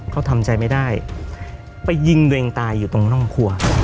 เขาทำใจไม่ได้ไปยิงตัวเองตายอยู่ตรงร่องครัว